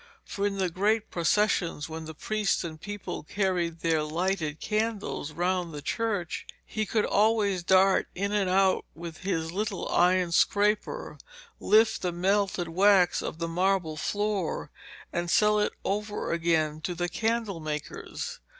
For in the great processions when the priests and people carried their lighted candles round the church, he could always dart in and out with his little iron scraper, lift the melted wax of the marble floor and sell it over again to the candlemakers.